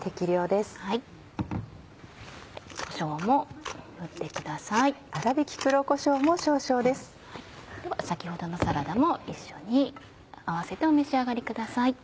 では先ほどのサラダも一緒に合わせてお召し上がりください。